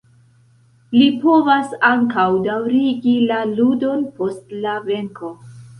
Li povas ankaŭ daŭrigi la ludon post la venko.